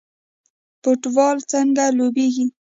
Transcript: فوټبال څنګه لوبیږي؟